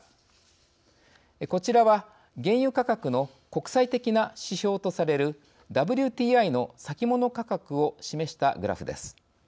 こちらは原油価格の国際的な指標とされるＷＴＩの先物価格を示したグラフです。